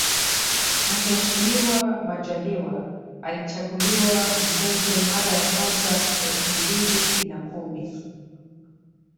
Mheshimiwa Majaliwa alichaguliwa mbunge mara ya kwanza elfu mbili na kumi